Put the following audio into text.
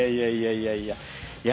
いやいやいや。